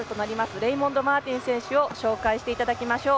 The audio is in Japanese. レイモンド・マーティン選手を紹介していただきましょう。